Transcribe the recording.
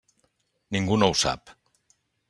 Ningú no ho sap.